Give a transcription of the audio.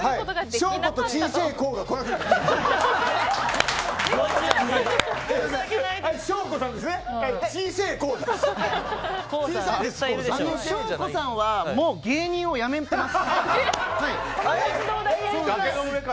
しょーこさんはもう芸人をやめています。